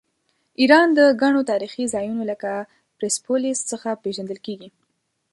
ایران د ګڼو تاریخي ځایونو لکه پرسپولیس څخه پیژندل کیږي.